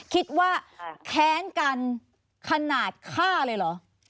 คิดว่าแค้นกันขนาดฆ่าเลยเหรอ